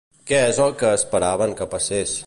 Què és el que esperaven que passés?